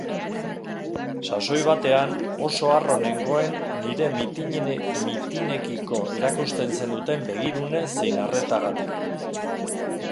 Sasoi batean oso harro nengoen nire mitinekiko erakusten zenuten begirune zein arretagatik.